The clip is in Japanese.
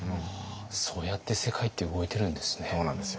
そうやって世界って動いてるんですね。